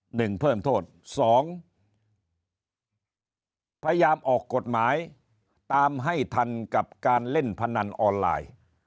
หนึ่งเพิ่มโทษสองพยายามออกกฎหมายตามให้ทันกับการเล่นพนันออนไลน์